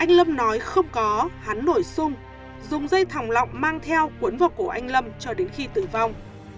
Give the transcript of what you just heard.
anh lâm nói không có hắn nổi sung dùng dây thòng lọng mang theo cuốn vào cổ anh lâm cho đến khi tử vong